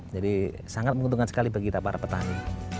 jadi sangat menguntungkan sekali bagi kita para petani